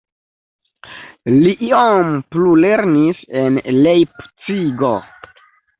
Li iom plulernis en Lejpcigo.